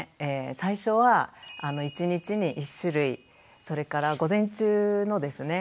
最初は１日に１種類それから午前中のですね